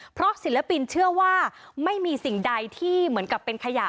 เพราะศิลปินเชื่อว่าไม่มีสิ่งใดที่เหมือนกับเป็นขยะ